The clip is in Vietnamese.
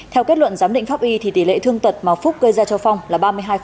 theo kết luận giám định pháp y thì tỷ lệ thương tật mà phúc gây ra cho phong là ba mươi hai